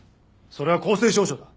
それは公正証書だ。